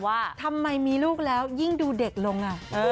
ว่าทำไมมีลูกแล้วยิ่งดูเด็กลง